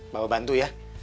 bapak bantu ya